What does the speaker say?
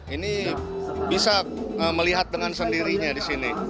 ini bisa melihat dengan sendirinya di sini